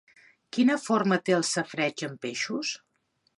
Quina forma té el safareig amb peixos?